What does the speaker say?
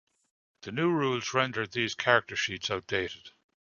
The new rules rendered these character sheets outdated.